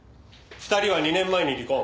２人は２年前に離婚。